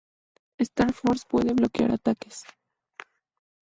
Star Force, puede bloquear ataques.